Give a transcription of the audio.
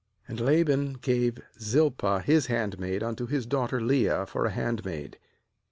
^And Laban gave Zilpah his hand maid unto his daughter Leah for a, handmaid.